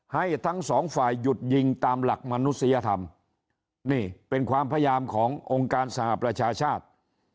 ให้ทั้งสองฝ่ายหยุดยิงตามหลักมนุษยธรรมนี่เป็นความพยายามขององค์การสหประชาชาติ